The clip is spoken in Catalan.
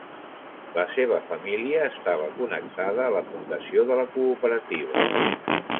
La seva família estava connectada a la fundació de la cooperativa.